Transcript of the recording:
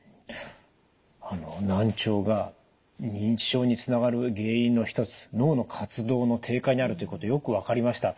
難聴が認知症につながる原因の一つ脳の活動の低下にあるということよく分かりました。